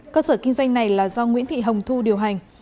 cơ sở kinh doanh này là do nguyễn thị hồng thu điều hành